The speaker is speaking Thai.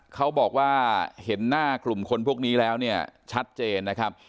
เขาบอกว่าเห็นหน้ากลุ่มคนพวกนี้แล้วเนี่ยชัดเจนนะครับ